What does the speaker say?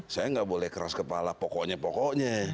saya nggak boleh keras kepala pokoknya pokoknya